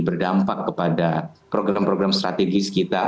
berdampak kepada program program strategis kita